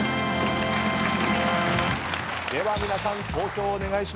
では皆さん投票お願いします。